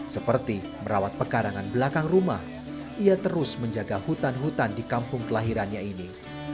seperti merawat pekarangan belakang rumah ia terus menjaga hutan hutan di kampung kelahirannya ini